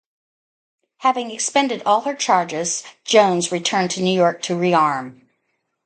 Having expended all her charges, "Jones" returned to New York to rearm.